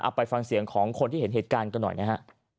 ไปฟังเสียงของคนที่เห็นเหตุการณ์กันหน่อยนะฮะ